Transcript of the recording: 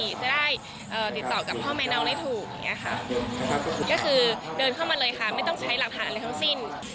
มีการแลกเสื้อเก่าเสื้อใหม่อันนี้